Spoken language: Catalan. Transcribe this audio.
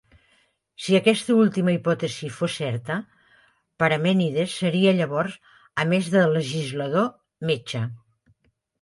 Si aquesta última hipòtesi fos certa, Parmènides seria llavors, a més de legislador, metge.